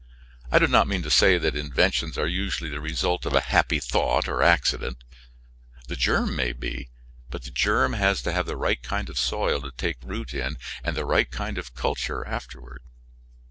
I do not mean to say that inventions are usually the result of a happy thought, or accident; the germ may be, but the germ has to have the right kind of soil to take root in and the right kind of culture afterward.